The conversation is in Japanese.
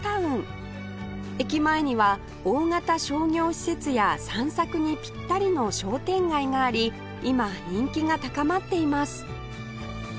駅前には大型商業施設や散策にぴったりの商店街があり今人気が高まっています